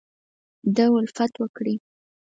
دالفت وکړي